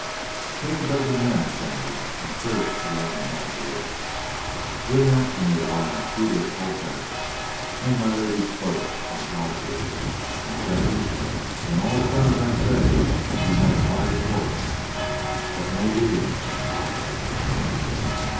"Take a dozen men, Shandy, and search yon hellhole. Bring out to me, alive, Peter of Colfax, and My Lady's cloak and a palfrey—and Shandy, when all is done as I say, you may apply the torch! But no looting, Shandy."